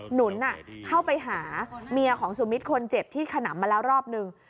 หนุนเข้าไปหาเมียของสุมิตรคนเจ็บที่ขนำมาแล้วรอบนึง